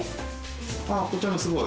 こちらもすごい。